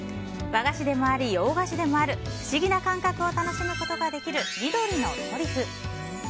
和菓子でもあり洋菓子でもある不思議な感覚を楽しむことができる緑のトリフ。